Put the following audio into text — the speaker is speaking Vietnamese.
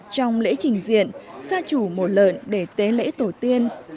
trong lễ trình diện gia chủ một lợn để tế lễ tổ tiên